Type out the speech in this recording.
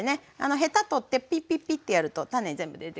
ヘタ取ってピッピッピッてやると種全部出てくるので。